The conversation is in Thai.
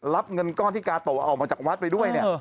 รับเงินก้อนที่กาโตะออกมาจากวัดไปด้วยเนี่ย